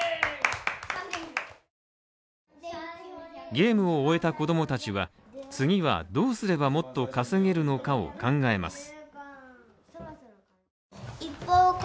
ゲームを終えた子供たちは次はどうすればもっと稼げるのかを考えます。